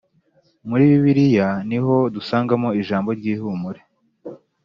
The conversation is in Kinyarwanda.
muri Bibiliya niho dusangamo ijambo ryihumure